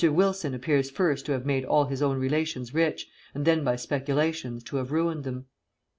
Wilson appears first to have made all his own relations rich, and then by speculations to have ruined them.